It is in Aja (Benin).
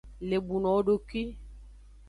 Lebuno wodokwi.